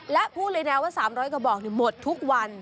และพูดเลยนะว่า๓๐๐กระบอกหมดทุกวัน